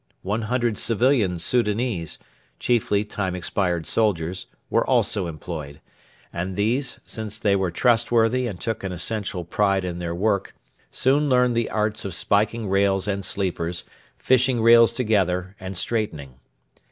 One hundred civilian Soudanese chiefly time expired soldiers were also employed; and these, since they were trustworthy and took an especial pride in their work, soon learned the arts of spiking rails and sleepers, fishing rails together, and straightening.